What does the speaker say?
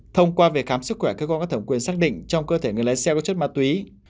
thông qua về khám sức khỏe cơ quan có thẩm quyền xác định trong cơ thể người lái xe có chất ma túy